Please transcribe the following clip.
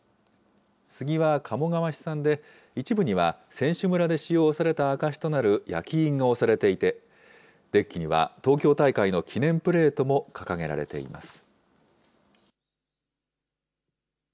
スギは鴨川市産で、一部には選手村で使用された証しとなる焼き印が押されていて、デッキには東京大会の記念プレートも掲げられています。